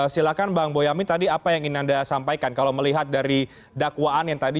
silahkan bang boyamin tadi apa yang ingin anda sampaikan kalau melihat dari dakwaan yang tadi